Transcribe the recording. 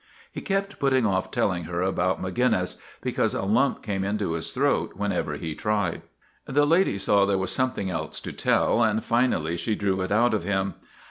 He kept putting off telling her about Maginnis, because a lump came into his throat whenever he tried. The lady saw there was something else to tell, and finally she drew it out of him.